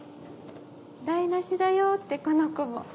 「台無しだよ」ってこの子も。